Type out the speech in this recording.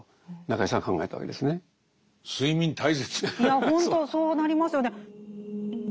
いやほんとそうなりますよね。